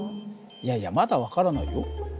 いやいやまだ分からないよ。